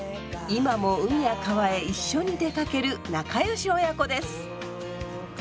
今も海や川へ一緒に出かける仲良し親子です。